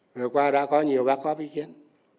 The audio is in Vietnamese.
ngày qua đã có nhiều bác bác ý kiến